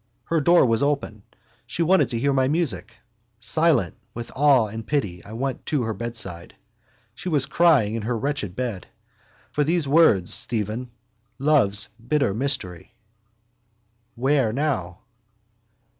Her door was open: she wanted to hear my music. Silent with awe and pity I went to her bedside. She was crying in her wretched bed. For those words, Stephen: love's bitter mystery. Where now?